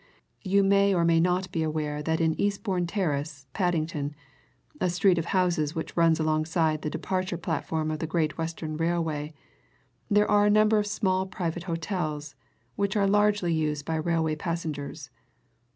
You may or may not be aware that in Eastbourne Terrace, Paddington, a street of houses which runs alongside the departure platform of the Great Western Railway, there are a number of small private hotels, which are largely used by railway passengers.